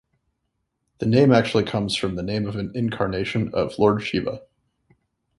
The name actually comes from the name of an incarnation of lord Shiva.